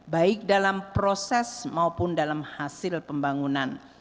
baik dalam proses maupun dalam hasil pembangunan